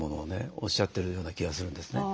おっしゃってるような気がするんですね。